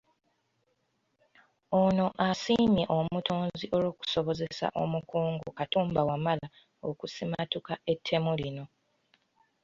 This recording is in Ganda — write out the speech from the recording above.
Ono asiimye Omutonzi olw'okusobozesa omukungu Katumba Wamala okusimattuka ettemu lino.